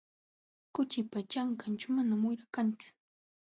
Kuchipa ćhankanćhu manam wira kanchu.